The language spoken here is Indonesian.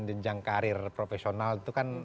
jenjang karir profesional itu kan